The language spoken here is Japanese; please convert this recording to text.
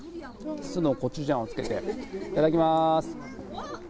酢のコチュジャンをつけて、いただきます。